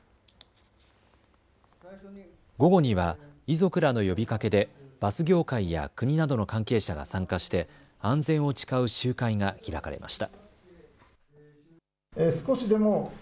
午後には遺族らの呼びかけでバス業界や国などの関係者が参加して安全を誓う集会が開かれました。